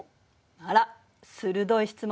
あら鋭い質問ね。